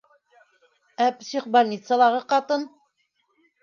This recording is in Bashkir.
- Ә психбольницалағы ҡатын...